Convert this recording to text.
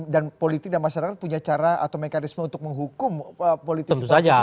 dan politik dan masyarakat punya cara atau mekanisme untuk menghukum politik dan masyarakat